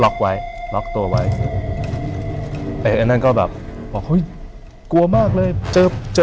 เขาล็อกไว้ล็อกตัวไว้